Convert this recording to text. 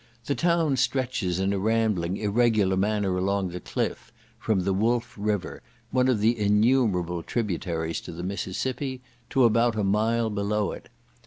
The town stretches in a rambling irregular manner along the cliff, from the Wolf River, one of the innumerable tributaries to the Mississippi, to about a mile below it.